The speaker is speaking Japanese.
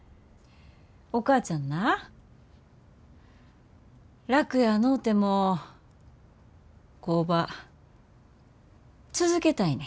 お母ちゃんな楽やのうても工場続けたいねん。